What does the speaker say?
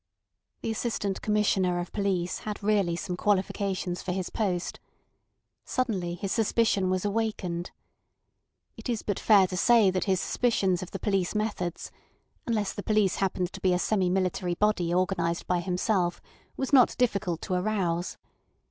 The Assistant Commissioner of Police had really some qualifications for his post. Suddenly his suspicion was awakened. It is but fair to say that his suspicions of the police methods (unless the police happened to be a semi military body organised by himself) was not difficult to arouse.